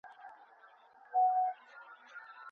ښه لاس لیکنه د ځان باور زیاتوي.